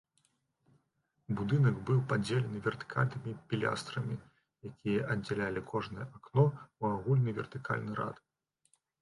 Будынак быў падзелены вертыкальнымі пілястрамі, якія аддзялялі кожнае акно ў агульны вертыкальны рад.